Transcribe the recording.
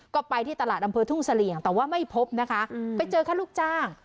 ก็ไปที่ตลาดอำเภอทุ่งเสลี่ยงแต่ว่าไม่พบนะคะไปเจอแค่ลูกจ้าง